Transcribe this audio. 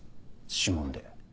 指紋で。